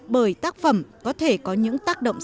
bởi tác phẩm có thể có những tác động